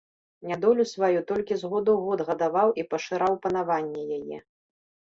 Нядолю сваю толькі з году ў год гадаваў і пашыраў панаванне яе.